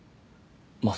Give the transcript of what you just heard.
まあ